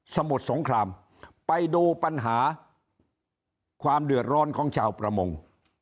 มุสงครามไปดูปัญหาความเดือดร้อนของชาวประมง